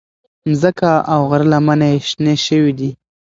مځکه او غره لمنې شنې شوې دي.